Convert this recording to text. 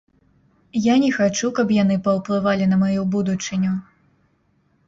Я не хачу, каб яны паўплывалі на маю будучыню.